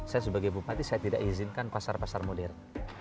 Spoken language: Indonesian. saya sebagai bupati saya tidak izinkan pasar pasar modern